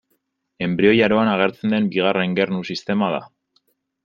Enbrioi aroan agertzen den bigarren gernu sistema da.